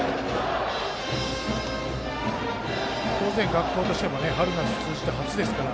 学校としても春夏通じて初ですから。